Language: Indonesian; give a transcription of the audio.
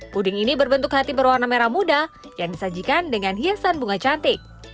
puding ini berbentuk hati berwarna merah muda yang disajikan dengan hiasan bunga cantik